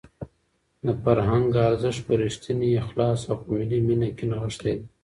د فرهنګ ارزښت په رښتیني اخلاص او په ملي مینه کې نغښتی دی.